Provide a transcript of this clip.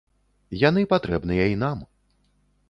Яны патрэбныя і нам.